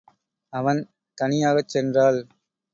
அவன் தனியாகச் சென்றாள்.